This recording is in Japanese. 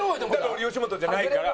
俺吉本じゃないから。